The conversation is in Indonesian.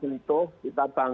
ini akan memang